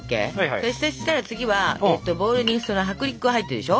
そしたら次はボウルに薄力粉入ってるでしょ？